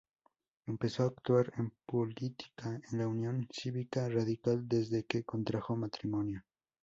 Empezó a actuar en política en la Unión Cívica Radical desde que contrajo matrimonio.